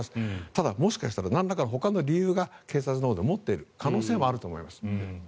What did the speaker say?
ただ、もしかしたらなんらかのほかの理由を警察のほうで持っている可能性もあると思います。